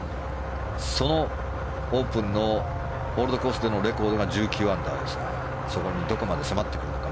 そのオープンのオールドコースでのレコードが１９アンダーですが、そこにどこまで迫ってくるのか。